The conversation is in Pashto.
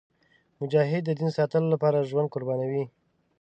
مجاهد د دین ساتلو لپاره ژوند قربانوي.